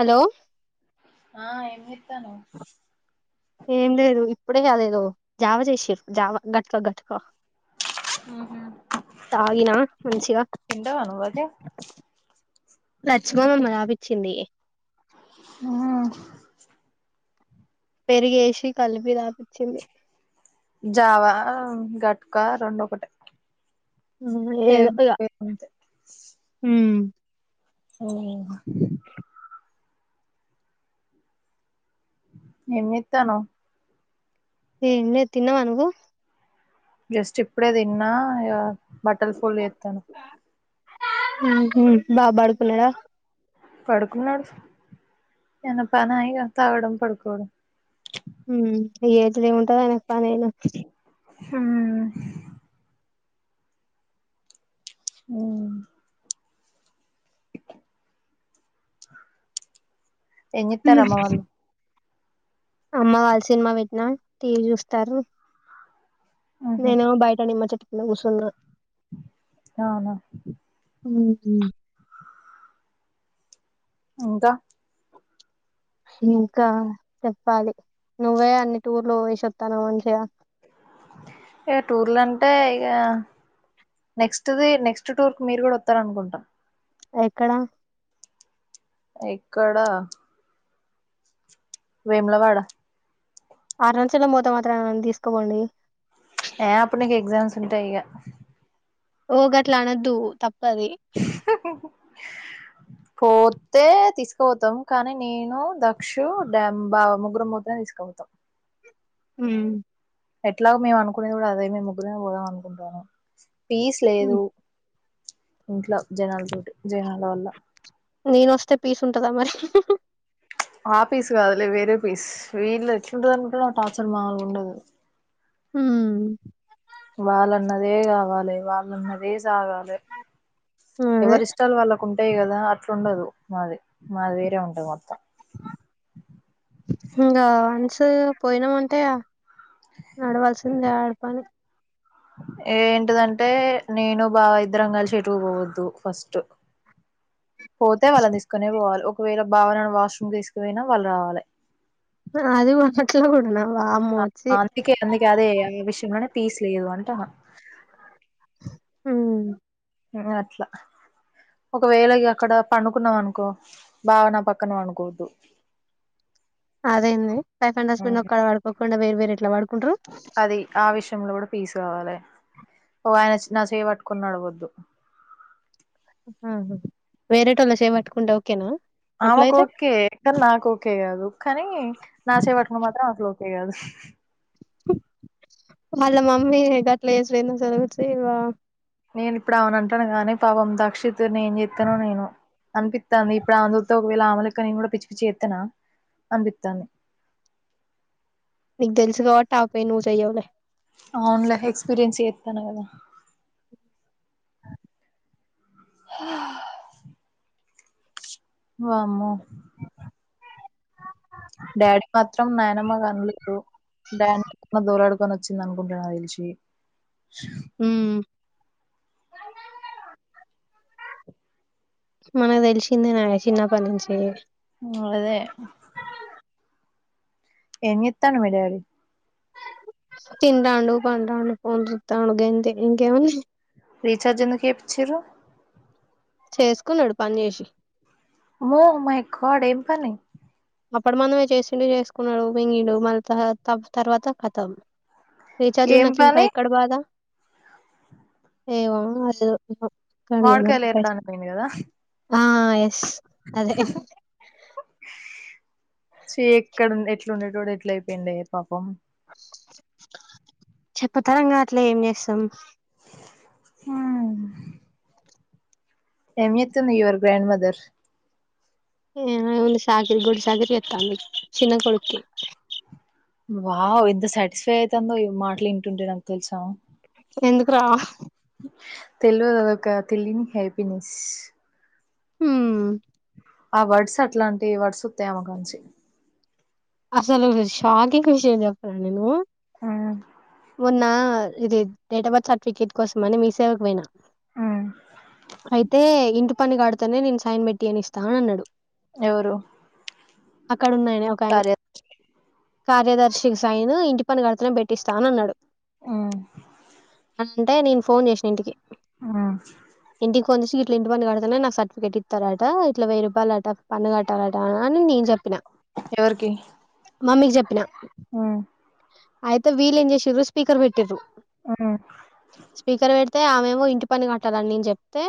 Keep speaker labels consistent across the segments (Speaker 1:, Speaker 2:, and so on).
Speaker 1: Hello
Speaker 2: ఆఏం చేతనావ్
Speaker 1: ఏం లేదు ఇప్పుడే అదేదో జావ చేసిరు జావ గట్టుక గట్టుక తాగిన మంచిగా
Speaker 2: తింటావ నువ్వు అది
Speaker 1: [unintelligible] తపిచింది
Speaker 2: ఆ
Speaker 1: పెరిగేసి కలిపి తాపిచ్చింది
Speaker 2: జావ గట్క రెండు ఒకటే
Speaker 1: ఏదో
Speaker 2: సేమ్
Speaker 1: ఇగ
Speaker 2: సేమ్ అంతే
Speaker 1: హు
Speaker 2: అ ఏం చేతన్నవ్
Speaker 1: ఏం లేదు తిన్నావ నువ్వు
Speaker 2: జస్ట్ ఇప్పుడే తిన్నా బట్టలు ఫోల్ చేస్త వున్న
Speaker 1: హు బాబు పడుకున్నాడ
Speaker 2: పడుకున్నాడు [unintelligible] తినడం పడుకోడం
Speaker 1: [unintelligible]
Speaker 2: హ హు ఏంచేతరు అమ్మ వాళ్ళు
Speaker 1: అమ్మ వాళ్లు సినిమా పెట్టినా టీవీ చూస్తరు
Speaker 2: ఉహు
Speaker 1: నేను బయట నిమ్మ చెట్టు కింద కూసున్న
Speaker 2: అవునా
Speaker 1: మ్ హు
Speaker 2: ఇంకా
Speaker 1: ఇంకా చెప్పాలి నువ్వే అన్ని టూర్లు పోయేసివస్తాన్నావు మంచిగా.
Speaker 2: ఇక టూర్లుంటే ఇక నెక్స్టది. నెక్స్టటూర్ కు మీరు కూడా వస్తార అనుకుంటా
Speaker 1: ఎక్కడ
Speaker 2: ఎక్కడా వేమలవాడ
Speaker 1: అరుణాచలం పోతే మాత్రమే నన్ను తీసుకుపోండీ.
Speaker 2: ఏ అప్పుడిక. నీకు ఎగ్జామ్స్ ఉంటాయి ఇగ
Speaker 1: ఓ ఊరికట్లా అనొద్దు తప్పది
Speaker 2: పోతే తీసుకుపోతాం కానీ నేను దక్షూ డ్యామ్ బావ ముగ్గురం పోతే తీసుకుపోతాం. తీసుకుపోతాం.
Speaker 1: మ్
Speaker 2: ఎట్లాగు మేము అనుకునేది కూడా అదే మేము ముగ్గురమే పోదాం అనుకుంటాన్నాము. పీస్
Speaker 1: హ్మ్
Speaker 2: లేదు ఇంట్లో జనాలతోటి జనాల వల్ల
Speaker 1: నేను వస్తే పీస్ ఉంటదా మరి
Speaker 2: ఆ పీస్ కాదులే వేరే పీస్. వీళ్ళు ఎట్లా ఉంటుంది అనుకుంటున్నావు టార్చర్ మామూలుగా ఉండదు.
Speaker 1: మ్
Speaker 2: వాళ్ళన్నదే కావాలి వాళ్ళన్నదే
Speaker 1: అదే
Speaker 2: ఎవరి ఇష్టాలు వాళ్ళకు ఉంటాయి కదా అట్లాండదు. మాది వేరే ఉంటది మొత్తం.
Speaker 1: ఇంకా వన్స్ పోయినాం అంటే నడవల్సి సిందడు పని
Speaker 2: ఏంటిదంటే నేను బావ ఇద్దరం కలిసి ఎటూ పోవద్దు ఫస్ట్ [inaudible] పోతే వాళ్ళని తీసుకునే పోవాలి ఒకవేళ బావనన్ను వాష్రూమ్ తీసుకుపోయినా వాళ్ళు రావాలి.
Speaker 1: అది వచ్చేట్లో కూడన
Speaker 2: అందుకే అదే ఆ విషయంలోనే పీస్ లేదు అంటాన్నా.
Speaker 1: మ్
Speaker 2: అట్లా ఒకవేళ ఇగ అక్కడ పండుకున్నాం అనుకో బావ నాపక్కన పడుకోవద్దు.
Speaker 1: అదేంది వైఫ్ అండ్ హస్బెండ్ మీ ఒక్కడా పడుకోకుండా వేరు వేరు ఎట్లా పడుకుంటారు.
Speaker 2: అది ఆ విషయం లో కూడా పీస్ కావాలే నా చేయి పట్టుకొని నడవోద్దు.
Speaker 1: ఆ వేరేటోల్ల పట్టుకుంటే ఓకేనా
Speaker 2: ఆమెకు
Speaker 1: అట్లయితే
Speaker 2: ఒకే. కానీ నాకు ఓకే కాదు. కానీ నా చేయి పట్టుకుంటే ఓకే కాదు. [inaudible]
Speaker 1: వాళ్ళ మమ్మీ గట్ల వేసులేంద చనువిచ్చి
Speaker 2: నేను ఇప్పుడు అవును అంటాను కానీ పాపం దక్షిత్ ను ఏం చెప్తానో ఏమో. అనిపిస్తాంది ఇప్పుడు ఆమెను చూస్తే ఒకవేళ అమెలెక్క నేను కూడా పిచ్చి పిచ్చి గా చెత్తానా అనిపిస్తాంది. [inaudible]
Speaker 1: నీకు తెలుసు కాబట్టి నువ్వు చేయవు లే.
Speaker 2: అవునులే ఎక్స్పీరియన్స్ చేస్తాన్నా కదా? ఆ వామ్మో డాడీకి మాత్రం నాయనమ్మ గనలేదు డాన్ని ఎన్నో దోలాడుకొని వచ్చింది అనుకుంటున్నా నాకు తెలిషి
Speaker 1: ఊ మన తెలిసిందే నాయే చిన్నప్పటి నుంచి
Speaker 2: అదే ఏం జేతండు మీ డాడీ
Speaker 1: తింటండు పంటండు పొర్లుతాండు గంతే ఇంకేముంది
Speaker 2: రీఛార్జ్ ఎందుకు చేయిచ్చారు
Speaker 1: చేసుకున్నాడు పని చేసి
Speaker 2: ఓ మై గాడ్ ఏం పని
Speaker 1: అప్పుడి మందమే చేసిండు చేసుకున్నాడు మింగిండు మళ్ళ త తర్వాత కతం రీచార్జు
Speaker 2: ఏం
Speaker 1: ఉన్నంక ఇంకా
Speaker 2: పని
Speaker 1: ఎక్కడ బాధ ఏవొ ఏదో కని
Speaker 2: మామిడికాయలు
Speaker 1: ఏమనకు పశి
Speaker 2: ఏరడానికి పోయిండు కదా
Speaker 1: ఆ ఎస్ అదే
Speaker 2: చి ఎక్కడ ఎట్లా ఉండేటోడు ఎట్ల అయిపోయిండే పాపం
Speaker 1: చెప్పతరంగాట్లే ఏం చేస్తాం
Speaker 2: ఆ ఏం ఎతుంది యువర్ గ్రాండ్ మదర్
Speaker 1: ఏ లేద్ ఫుల్లు షాకిరి గొడ్డు షాకిరి ఎత్తంది చిన్న కొడుకి
Speaker 2: వావ్ ఎంత సాటిస్ఫై అవుతుందో ఇ మాటలు వింటుంటే నాకు తెలుసా
Speaker 1: ఎందుకు రా
Speaker 2: తెలివదు అదొక తెలియని హ్యాపీనెస్
Speaker 1: ఊ
Speaker 2: ఆ వర్డ్స్ అట్లాంటి వర్డ్స్ ఒతాయి ఆమ కాంచి
Speaker 1: అసలు ఒక షాకింగ్ విషయం చెప్పలా నేను
Speaker 2: ఆ
Speaker 1: మొన్న ఇది డేట్ ఆఫ్ బర్త్ సర్టిఫికేట్ కోసం అని మీ సేవకు పోయినా అయితే ఇంటి పన్ను కడితేనే నేను సైన్ పెట్టియనిస్తా అని అన్నాడు
Speaker 2: ఎవరు
Speaker 1: అక్కడ ఉన్నాయన ఒక ఆయన
Speaker 2: కార్య
Speaker 1: కార్యదర్శి సైను ఇంటి పన్ను కడుతనే పెట్టిస్తా అని అన్నాడు
Speaker 2: ఉమ్
Speaker 1: అంటే నేను ఫోన్ చేసిన ఇంటికి
Speaker 2: ఆ
Speaker 1: ఇంటికి ఫోన్ చేసి ఇట్లా ఇంటి పన్ను కడతునే నాకు సర్టిఫికట్ ఇస్తారట ఇట్లా వెయ్యి రూపాయలు అట పన్ను కట్టాలట అని నేను చెప్పిన
Speaker 2: ఎవరికి
Speaker 1: మమ్మీకి చెప్పిన
Speaker 2: ఊ
Speaker 1: అయితే వీల్ ఏం చేసిరు స్పీకర్ పెట్టిరు స్పీకర్ పెట్ తే ఆమెమో ఇంటి పన్ను కట్టాలని నేన్ చెప్తే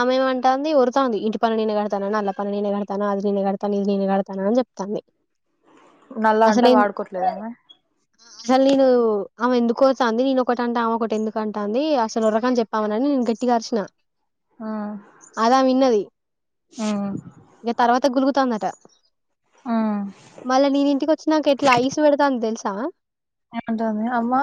Speaker 1: ఆమెమ్ అంటాంది ఒరుతాంది ఇంటి పన్ను నేను కడతానని అల పన నేను కడతన అది నేనే కడతన ఇది నేనే కడతాన అని చెప్తాంది
Speaker 2: నల్ల అంటే వాడుకోట్లేదామే
Speaker 1: అసల్ నేను అమే ఎందు ఓరుతాంది నేను ఒకటి అంటే అమె ఒకటి ఎందుకు అంటాంది అసలు ఒర్రకని చెప్పామనని నేను గట్టిగా అరిసిన అదామ విన్నది
Speaker 2: ఉమ్
Speaker 1: ఇంక తర్వాత గులుగుతంది మళ్ళా నేను ఇంటికొచ్చి నాంక ఎట్లా ఐస్ పెడతాంది తెలుసా
Speaker 2: ఏమన్టాంది అమ్మా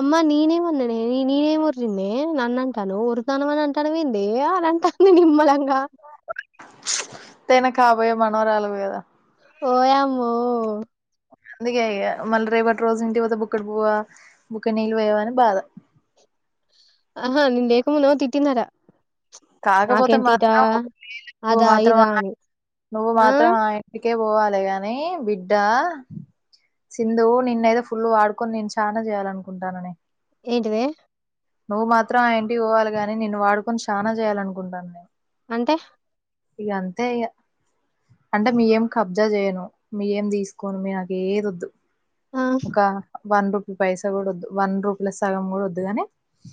Speaker 1: అమ్మ నేనేం ఓర్రిన్నే నన్ను అంటనవ్ ఒర్రుతనవ్ అని అంటానవ్ ఏందే అని అంటాంది నిమ్మలం గా
Speaker 2: తేన కాబోయే మనవరాలవు కదా
Speaker 1: ఓయామ్మో
Speaker 2: అందుకే ఇగ మళ్ళీ రేపటి రోజు ఇంటి పోతే బుక్కటి బువ్వ బుక్కడు నీళ్ళు పోయవని అని బాధ
Speaker 1: ఆహా నేను లేకముందు తిట్టిందాట
Speaker 2: కాకపోతే మాత్రం నువ్వు
Speaker 1: అదా
Speaker 2: మాత్రం
Speaker 1: ఇదా అని.
Speaker 2: నువ్వు
Speaker 1: ఆ
Speaker 2: మాత్రం ఏ ఇంటికి కె పోవాలి గాని బిడ్డ సింధు నిన్ను అయితే ఫుల్ వాడుకొని నేను చాలా చేయాలనుకుంటాన నేను
Speaker 1: ఏంటిదే
Speaker 2: నువ్వు మాత్రం ఆ ఇంటికి పోవాలి గాని నిన్ను వాడుకొని చానా చేయాలనుకుంటాన నేను
Speaker 1: అంటె
Speaker 2: ఇంగ అంతే ఇగ అంటే మీ ఏం కబ్జా చేయను మీ ఏం తీసుకోను మీ నాకు ఏదోద్దు
Speaker 1: ఆ
Speaker 2: ఒక వన్ రూపీ పైసా కూడా వన్ రూపీల సగం కూడా వద్దు కనీ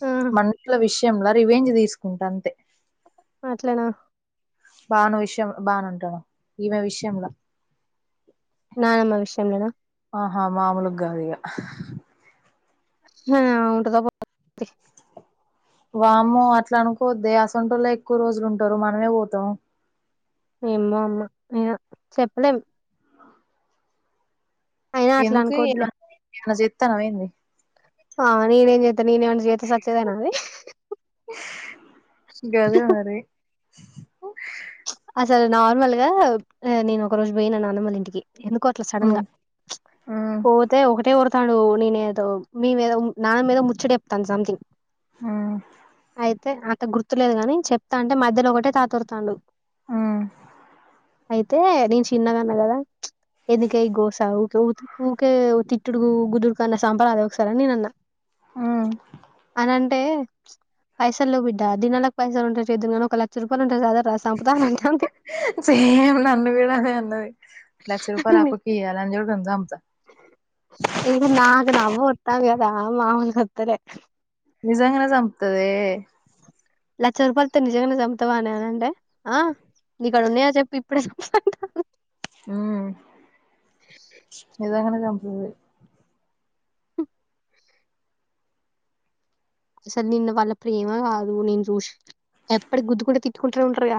Speaker 1: ఆ
Speaker 2: మనింట్ల విషయంల రివేంజ్ తీసుకుంటా అంతే
Speaker 1: అట్లానా
Speaker 2: బాను విషయం బాన అంటున్న ఈమె విషయంలా
Speaker 1: నానమ్మ విషయంలోనా
Speaker 2: ఆహా మామూలుగా గాదిగా
Speaker 1: హఆమె ఉంటదో పోతదో తియ్
Speaker 2: వామ్మో అట్లా అనుకోద్దె అసంటోల్లే ఎక్కువ రోజులు ఉంటరు మనమే పోతాం
Speaker 1: ఏమ్మో అమ్మ ఇగ చెప్పలేం అయినా అట్లా
Speaker 2: ఎందుకు
Speaker 1: అనుకోవద్దులే
Speaker 2: ఏమన చెస్తానవ ఏంది
Speaker 1: ఆ నేనేం చేస్తా ననేమన్న చేస్తే సచ్చేదానే అది
Speaker 2: గదే మరి
Speaker 1: అసలు నార్మల్ గా నేను ఒక రోజు పోయినా నాన్నమల ఇంటికి ఎందుకో అట్లా సడన్ గా
Speaker 2: హ్మ్ హ్మ్
Speaker 1: పోతే ఒకటే ఓర్ స్తాను నేనే ఏదో మీమీద నాన్న మీద ముచ్చగా చెప్తాంది సంథింగ్
Speaker 2: హ్మ్
Speaker 1: అయితే అంత గుర్తులేదు గాని చెప్తా అంటే మధ్యలో ఒకటే తాత ఓర్రుతాండు
Speaker 2: ఆ
Speaker 1: అయితే నేను చిన్నగన్న కదా ఎందుకె ఈ గోస ఊకే ఊకే తిట్టుడు గుద్దుడు కన్న సంపరాదే ఒకసారని నేను అన్నా
Speaker 2: హ్మ్
Speaker 1: అననం పైసా లేవు బిడ్డా దినాలకు పైసలు ఉంటె చేదునీ ఒక లక్ష రూపాయలు ఉంటే సల సంపుత అని అంటండి
Speaker 2: సేమ్ నన్ను కూడా అదే అన్నది లక్ష రూపాయలు అప్పుకియ్యే ఆ లంజోడుకన్ని సంపుత
Speaker 1: ఇక నాకు నవ్వొత్తాంది గదా మామూలుగా ఓస్థలేదు
Speaker 2: నిజంగనే చంపుతదే
Speaker 1: లక్ష రూపాయలతో నిజంగానే చంపుతావానే అని అంటే ఆ నీకాడ ఉన్నయా చెప్పు ఇప్పుడే సంపుత అంటాంది
Speaker 2: హ నిజంగనే చంపుతది
Speaker 1: అసలు నిన్న వాళ్ళ ప్రేమ కాదు నేను చూసి ఎప్పటి గుద్దుకుంటే నే తిట్టుకుంటూనే ఉంటారుగా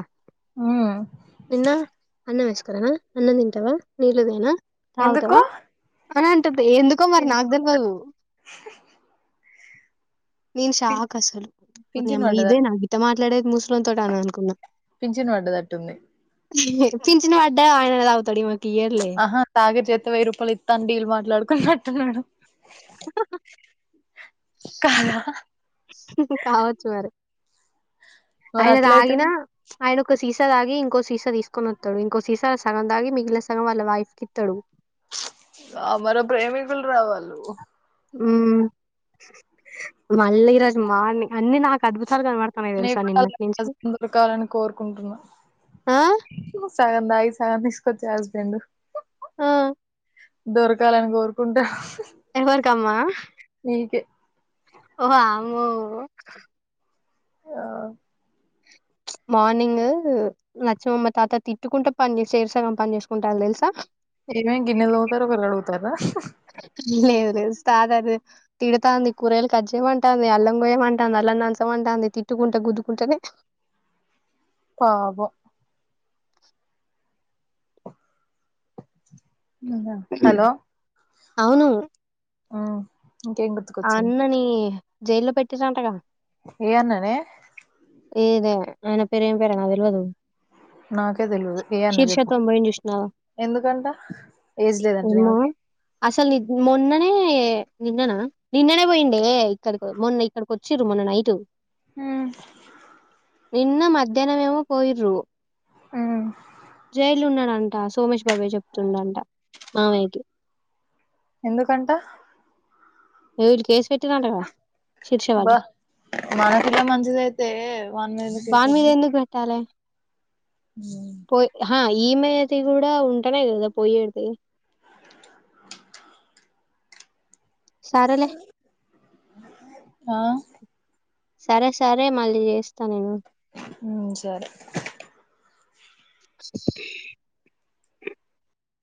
Speaker 2: హ్మ్
Speaker 1: నిన్న అన్నం వేసుకురనా అన్నం తింటావా నీళ్ళదేనా
Speaker 2: ఎందుకు
Speaker 1: తను అంటుంది ఎందుకో మరి
Speaker 2: పింఛన్
Speaker 1: నాకు
Speaker 2: పడ్డది.
Speaker 1: తెలువదు నేను
Speaker 2: పిన్
Speaker 1: షాక్ అసల ఓరినీ
Speaker 2: పింఛన్
Speaker 1: అమ్మ
Speaker 2: పడ్డద
Speaker 1: ఇదే నా గిట్ల మాట్లాడేది ముసు ముసలోళ్లతోటి అనుకున్నా
Speaker 2: పింఛన్ పడ్డదట్టుంది
Speaker 1: పింఛను పడితే ఆయనే తాగుతాడు ఈమేకు
Speaker 2: ఆహా తాగే చేతి వెయ్యి రూపాయలు ఇస్తా ఆనీ డీల్ మాట్లాడుకున్నట్టున్నాడు కాదా
Speaker 1: కావచ్చు మరి
Speaker 2: మరి
Speaker 1: అయన తగిన
Speaker 2: అట్లయితేనే
Speaker 1: ఆయన ఒక సీసా తాగి ఇంకో సీస తీసుకొస్తాడు ఇంకో సీస సగం తాగి మిగిలిన సగం వాళ్ళ వైఫ్ కి ఇస్తాడు
Speaker 2: అమర ప్రేమికులురా వాలు
Speaker 1: ఉ మల్లి ఈరోజు మార్నింగ్ అన్ని నాకు అద్భుతలు
Speaker 2: నీను కూడ అలాంటి హస్బెండ్ దొరకాలని కోరుకుంటున్నా
Speaker 1: ఆ
Speaker 2: సగం తాగి సగం తీసుకొచ్చి హస్బెండ్
Speaker 1: ఆ
Speaker 2: దొరకాలని కోరుకుంటా
Speaker 1: ఎవరీకమ్మా వామ్మో
Speaker 2: ఆ
Speaker 1: మార్నింగ్ లచ్చమమ్మ తాత తిట్టుకుంటే పని చేరి సగం పని చేసుకుంటారు తెలుసా
Speaker 2: ఏమైంది గిన్నెలు తోముతారు ఒకరు కడుగుతారు
Speaker 1: లేదు తాతను తిడుతంది కూరయలు కజ్జేయమంటది అల్లం గయమంటది అల్లం దంచంమంటది తిట్టుకుంటూ కుద్దుకుంటనే
Speaker 2: పాపం హలో
Speaker 1: అవును
Speaker 2: ఆ
Speaker 1: ఆ అన్నని జైల్లో పెట్టిరాంటగా
Speaker 2: ఏ అన్నానే
Speaker 1: ఏదే ఆయన పేరు ఏం పేరు నాకు తెలువది
Speaker 2: నాకే తెలీదు ఏ అన్న
Speaker 1: శిరీష
Speaker 2: చెప్పు
Speaker 1: తోటి పోయిండు చూసినవా
Speaker 2: ఎందుకంట ఏజ్ లేదండి ఆమెకి
Speaker 1: అసలు నికు మొన్నానే నిన్ననా నిన్ననే పోయిండే ఇక్కడి మొన్న ఇక్కడికి వచ్చిండు మొన్న నైటు
Speaker 2: ఉ
Speaker 1: నిన్న మధ్యాహ్న మేమో పోయిరు
Speaker 2: మ్మ్
Speaker 1: జైలో ఉన్నాడంట సోమేష్ బాబాయ్ చెప్తుండంట మామయ్యకి
Speaker 2: ఎందుకంట
Speaker 1: ఎవరు కేస్
Speaker 2: అబ్బా మన పిల్ల మంచిందిఅయితే మనము కేస్
Speaker 1: వాన్ మీద ఎందుకు పెట్టాలి
Speaker 2: ఉ
Speaker 1: పోయ ఈమెది కూడా ఉంటనే కదా పోయేది సారేలే
Speaker 2: ఆ
Speaker 1: సరే సరే మళ్ళీ చేస్త నేను
Speaker 2: ఉ సరే
Speaker 1: ఉ హు